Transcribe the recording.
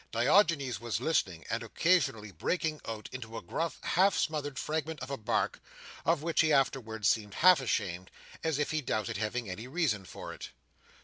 Diogenes was listening, and occasionally breaking out into a gruff half smothered fragment of a bark, of which he afterwards seemed half ashamed, as if he doubted having any reason for it.